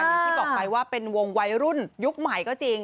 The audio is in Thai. อย่างที่บอกไปว่าเป็นวงวัยรุ่นยุคใหม่ก็จริง